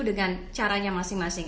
dengan caranya masing masing